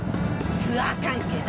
ツアー関係だ！